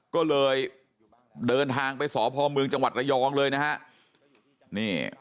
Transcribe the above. ก็เลยเดินทางไปสพเมืองจังหวัดระยองเลยนะฮะ